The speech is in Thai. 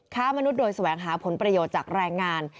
ค้ามนุษย์โดยแสวงหาผลประโยชน์จากแรงงาน